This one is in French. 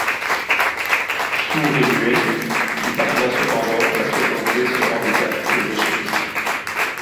Sourd et muet, il parvient cependant à surmonter ce handicap aux échecs.